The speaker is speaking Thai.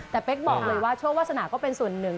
แต่เป๊กบอกเลยว่าโชควาสนาก็เป็นส่วนหนึ่ง